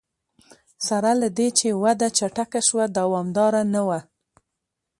سره له دې چې وده چټکه شوه دوامداره نه وه.